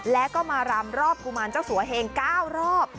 แล้วก็มารำรอบกุมารเจ้าสัวเฮง๙รอบ